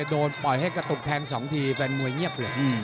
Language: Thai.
โดนปล่อยให้กระตุกแทง๒ทีแฟนมวยเงียบเลย